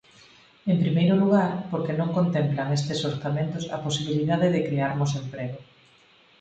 En primeiro lugar, porque non contemplan estes orzamentos a posibilidade de crearmos emprego.